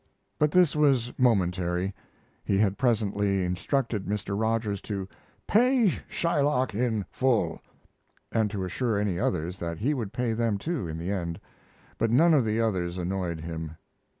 But this was momentary. He had presently instructed Mr. Rogers to "pay Shylock in full," and to assure any others that he would pay them, too, in the end. But none of the others annoyed him.